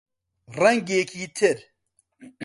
ڕەنگێکی تر